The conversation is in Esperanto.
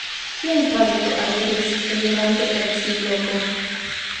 Kien Fradeko aliris, elirante el tiu loko?